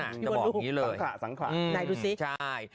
นายดูสิใช่